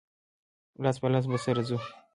لاس په لاس به سره ځو.